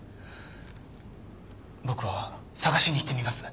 僕は探しに行ってみます。